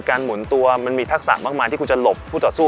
หมุนตัวมันมีทักษะมากมายที่คุณจะหลบผู้ต่อสู้